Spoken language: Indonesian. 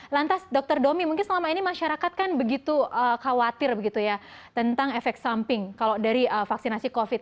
lantas dokter domi mungkin selama ini masyarakat kan begitu khawatir begitu ya tentang efek samping kalau dari vaksinasi covid